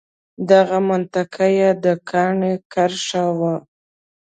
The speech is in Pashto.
دغه منطق یې د کاڼي کرښه وه.